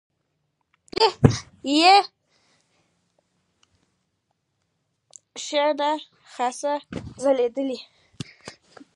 د نورو پر هغو شخوند وهل یې ښه خاصه ګرځېدلې.